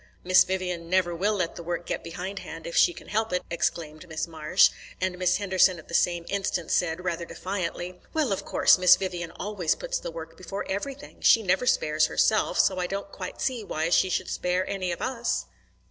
"Miss Vivian never will let the work get behindhand if she can help it," exclaimed Miss Marsh; and Miss Henderson at the same instant said, rather defiantly: "Well, of course, Miss Vivian always puts the work before everything. She never spares herself, so I don't quite see why she should spare any of us."